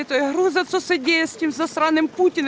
itu menakutkan apa yang terjadi dengan putin